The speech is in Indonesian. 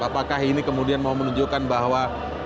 apakah ini kemudian mau menunjukkan bahwa